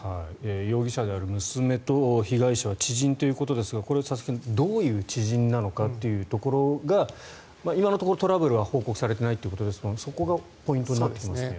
容疑者である娘と被害者は知人ということですが佐々木さんどういう知人なのかということが今のところトラブルは報告されていないということですがそこがポイントになってきますね。